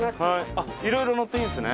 あっいろいろ乗っていいんすね。